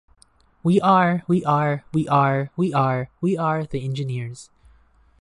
We are, we are, we are, we are, we are the Engineers!